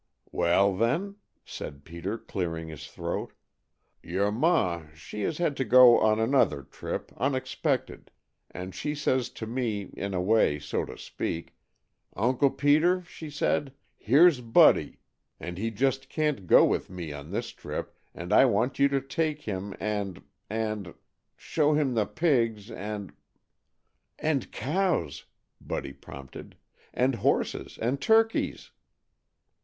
"Well, then," said Peter, clearing his throat, "your ma she has had to go on another trip, unexpected, and she says to me, in a way, so to speak, 'Uncle Peter,' she said, 'here's Buddy, and he just can't go with me on this trip, and I want you to take him and and show him the pigs and '" "And cows," Buddy prompted. "And horses. And turkeys."